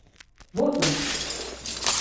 Вот он!